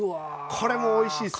これもおいしいっすよ。